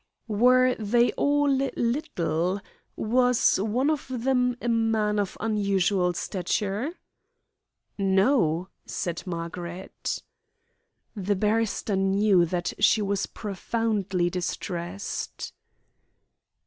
"Were they all 'little'? Was one of them a man of unusual stature?" "No," said Margaret The barrister knew that she was profoundly distressed.